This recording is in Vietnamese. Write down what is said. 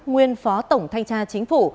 nguyên phó tổng thanh tra chính phủ